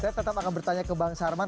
saya tetap akan bertanya ke bang sarman